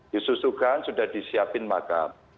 di susukan sudah disiapkan makam